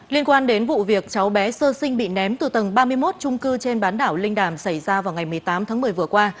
liên quan đến vụ việc cháu bé sơ sinh bị ném từ tầng ba mươi một trung cư trên bán đảo linh đàm xảy ra vào ngày một mươi tám tháng một mươi vừa qua